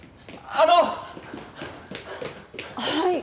あの！